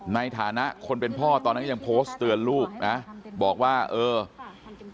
ในฐานะคนเป็นพ่อตอนนั้นยังโพสต์เตือนลูกนะบอกว่าเออ